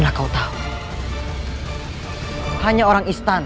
aku akan menghafalmu